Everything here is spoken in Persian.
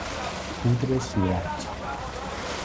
پودر صورت